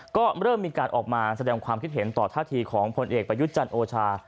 ก็เริ่มมีการออกมาแสดงความคิดเห็นต่อท่าทีของผลเอกประยุทธ์จันทร์โอชา